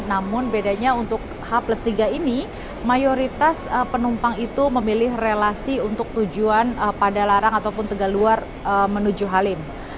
namun bedanya untuk h tiga ini mayoritas penumpang itu memilih relasi untuk tujuan pada larang ataupun tegaluar menuju halim